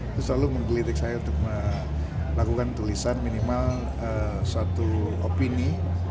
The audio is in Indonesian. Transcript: itu selalu menggelitik saya untuk melakukan tulisan minimal satu opini